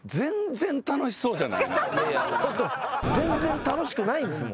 全然楽しくないんすもん。